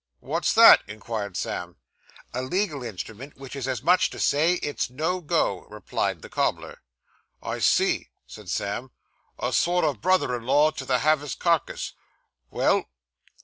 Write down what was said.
What's that?' inquired Sam. 'A legal instrument, which is as much as to say, it's no go,' replied the cobbler. 'I see,' said Sam, 'a sort of brother in law o' the have his carcass. Well.